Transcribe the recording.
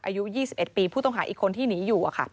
อายุ๒๑ปีผู้ต้องหาอีกคนที่หนีอยู่